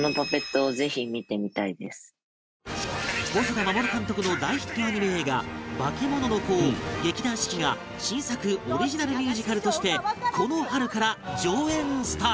細田守監督の大ヒットアニメ映画『バケモノの子』を劇団四季が新作オリジナルミュージカルとしてこの春から上演スタート